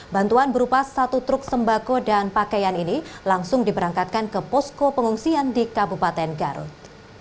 bantuan berupa satu truk sembako dan pakaian ini langsung diberangkatkan ke posko pengungsian di kabupaten garut